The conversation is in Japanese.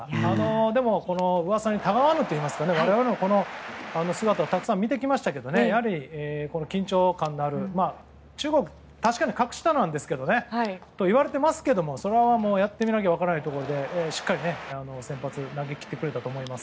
でも、噂にたがわぬといいますか我々もこの姿をたくさん見てきましたけどやはり緊張感のある、中国は確かに格下といわれてますけどそれは、やってみなきゃ分からないところでしっかり先発を投げ切ってくれたと思います。